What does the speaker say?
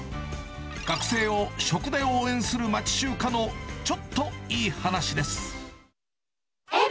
学生を食で応援する町中華のちょっといい話です。